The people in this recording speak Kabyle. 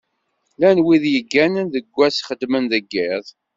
Llan wid yegganen deg ass, xeddmen deg iḍ.